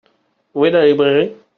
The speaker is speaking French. Où est la librairie ?